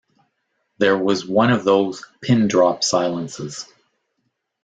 There was one of those pin-drop silences.